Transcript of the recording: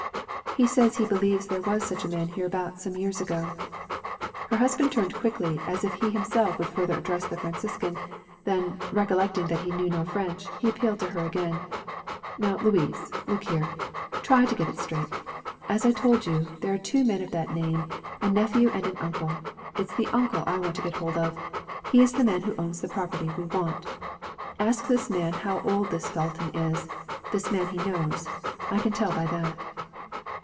'He says he believes there was such a man hereabout some years ago.' Her husband turned quickly as if he himself would further address the Franciscan; then, recollecting that he knew no French, he appealed to her again. 'Now Louise, look here. Try to get it straight. As I told you, there are two men of that name, a nephew and an uncle. It's the uncle I want to get hold of. He is the man who owns the property we want. Ask this man how old this Felton is, this man he knows; I can tell by that.'